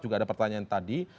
juga ada pertanyaan tadi